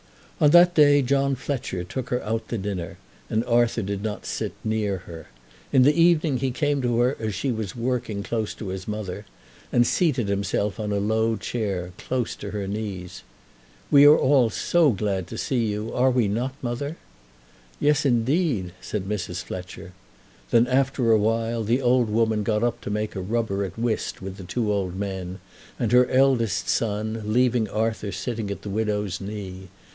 On that day John Fletcher took her out to dinner, and Arthur did not sit near her. In the evening he came to her as she was working close to his mother, and seated himself on a low chair close to her knees. "We are all so glad to see you; are we not, mother?" "Yes, indeed," said Mrs. Fletcher. Then, after a while, the old woman got up to make a rubber at whist with the two old men and her eldest son, leaving Arthur sitting at the widow's knee.